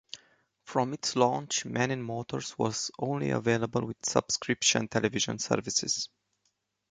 From its launch, Men and Motors was only available with subscription television services.